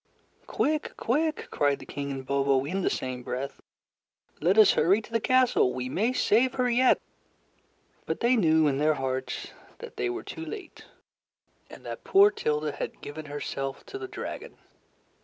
"Quick! quick!" cried the King and Bobo in the same breath, "Let us hurry to the castle. We may save her yet." But they knew in their hearts that they were too late, and that poor Tilda had given herself to the dragon.